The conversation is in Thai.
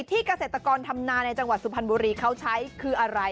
เกษตรกรทำนาในจังหวัดสุพรรณบุรีเขาใช้คืออะไร